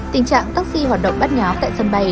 tình trạng taxi hoạt động bắt nháo tại sân bay